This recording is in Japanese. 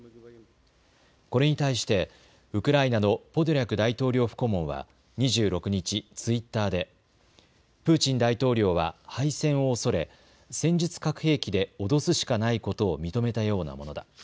これに対してウクライナのポドリャク大統領府顧問は２６日、ツイッターでプーチン大統領は敗戦を恐れ戦術核兵器で脅すしかないことを認めたようなものだ。